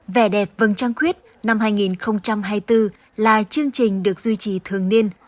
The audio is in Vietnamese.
vẻ đẹp vằng trăng khuyết năm hai nghìn hai mươi bốn là chương trình được duy trì thường hợp